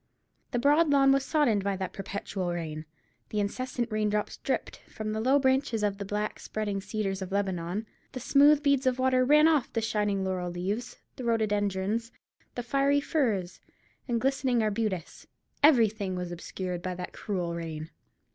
The broad lawn was soddened by that perpetual rain. The incessant rain drops dripped from the low branches of the black spreading cedars of Lebanon; the smooth beads of water ran off the shining laurel leaves; the rhododendrons, the feathery furze, the glistening arbutus—everything was obscured by that cruel rain.